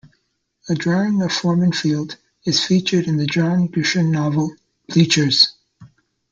A drawing of Foreman Field is featured in the John Grisham novel "Bleachers".